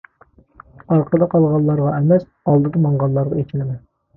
ئارقىدا قالغانلارغا ئەمەس، ئالدىدا ماڭغانلارغا ئېچىنىمەن!